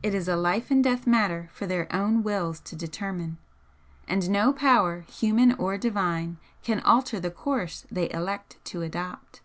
It is a life and death matter for their own wills to determine, and no power, human or divine, can alter the course they elect to adopt.